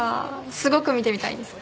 すごく見てみたいです。